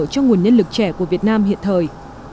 cho nguồn nhân lực trẻ của việt nam hiện thời